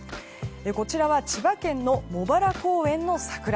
こちらは千葉県の茂原公園の桜。